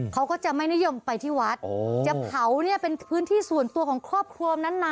เขาก็จะไม่นิยมไปที่วัดจะเผาเนี่ยเป็นพื้นที่ส่วนตัวของครอบครัวนั้นนะ